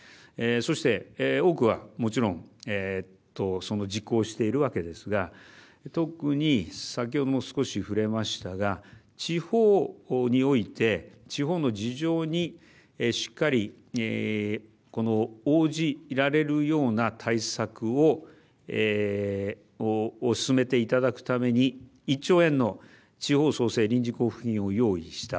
そして、多くはもちろん実行しているわけですが特に、先ほども少し触れましたが地方において地方の事情にしっかり応じられるような対策を進めていただくために１兆円の地方創生臨時交付金を用意した。